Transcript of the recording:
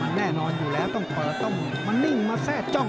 แน่นอนอยู่แล้วต้องเปิดต้องมานิ่งมาแทร่จ้อง